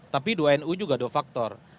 tapi dua nu juga dua faktor